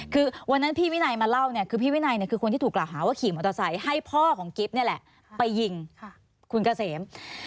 คือวันนั้นพี่วินัยมาเล่าเนี่ยคือพี่วินัยคือคนที่ถูกกล่าวหาว่าขี่มอเตอร์ไซค์ให้พ่อของกิ๊บนี่แหละไปยิงคุณเกษม